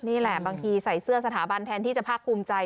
นี่แหละบางทีใส่เสื้อสถาบันแทนที่จะภาคภูมิใจ